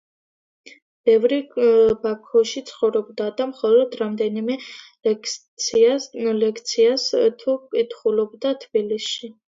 ბევრი ბაქოში ცხოვრობდა და მხოლოდ რამდენიმე ლექციას თუ კითხულობდა თბილისში.